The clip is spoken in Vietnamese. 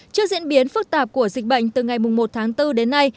trước diễn biến phức tạp của dịch bệnh từ ngày một tháng bốn đến nay